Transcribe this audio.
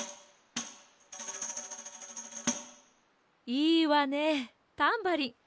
いいわねタンバリン。